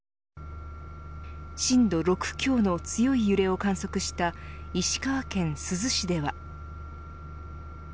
震度６強の強い揺れを観測した石川県珠洲市では。